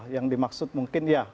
yang dimaksud mungkin ya